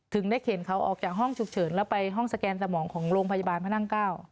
ได้เข็นเขาออกจากห้องฉุกเฉินแล้วไปห้องสแกนสมองของโรงพยาบาลพระนั่ง๙